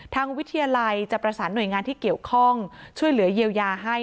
ทางวิทยาลัยจะประสานหน่วยงานที่เกี่ยวข้องช่วยเหลือเยียวยาให้